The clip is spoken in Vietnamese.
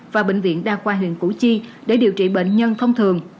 và bệnh viện đa khoa huyện củ chi để điều trị bệnh nhân thông thường